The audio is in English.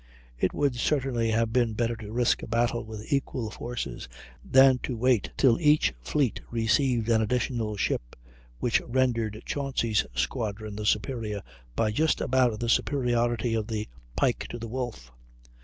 It would certainly have been better to risk a battle with equal forces, than to wait till each fleet received an additional ship, which rendered Chauncy's squadron the superior by just about the superiority of the Pike to the Wolfe.